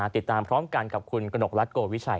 ติดตามพร้อมกันกับคุณกนกรัฐโกวิชัย